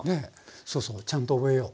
そうそうちゃんと覚えよう。